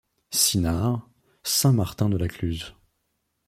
Sinard, Saint-Martin-de-la-Cluze.